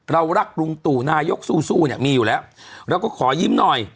เรารักลุงตู่นายกสู้สู้เนี่ยมีอยู่แล้วเราก็ขอยิ้มหน่อย